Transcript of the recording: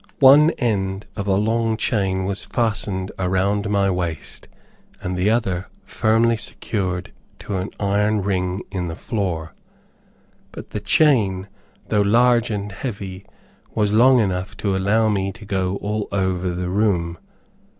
One end of a long chain was fastened around my waist, and the other firmly secured to an iron ring in the floor; but the chain, though large and heavy, was long enough to allow me to go all over the room.